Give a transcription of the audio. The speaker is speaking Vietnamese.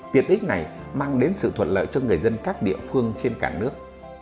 tiện ích này mang đến sự thuận lợi cho người dân các địa phương trên cả nước